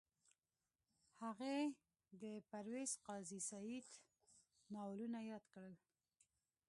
هغې د پرویز قاضي سعید ناولونه یاد کړل